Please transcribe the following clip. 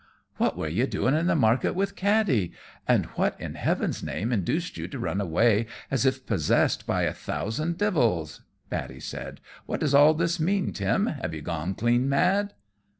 "What were you doing in the market with Katty? And what, in heaven's name, induced you to run away as if possessed by a thousand devils?" Paddy said. "What does all this mean, Tim? Have you gone clean mad?"